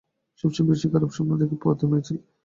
সবচেয়ে বেশি খারাপ স্বপ্ন দেখে পোয়াতি মেয়েছেলে।